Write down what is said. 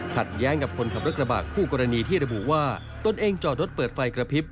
แย้งกับคนขับรถกระบะคู่กรณีที่ระบุว่าตนเองจอดรถเปิดไฟกระพริบ